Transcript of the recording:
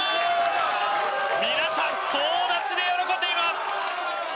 皆さん、総立ちで喜んでいます！